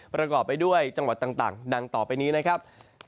ประกอบไปด้วยจังหวัดต่างดังต่อไปนี้นะครับ